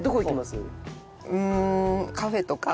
１人カフェとか。